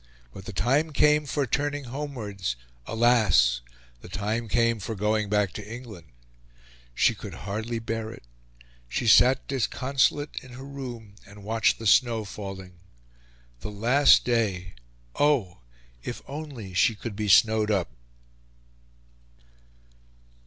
But the time came for turning homewards, alas! the time came for going back to England. She could hardly bear it; she sat disconsolate in her room and watched the snow falling. The last day! Oh! If only she could be snowed up!